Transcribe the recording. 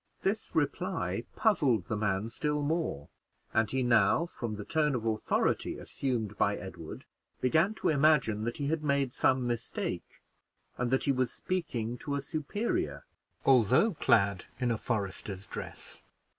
This reply puzzled the man still more; and he now, from the tone of authority assumed by Edward, began to imagine that he had made some mistake, and that he was speaking to a superior, although clad in a forester's dress.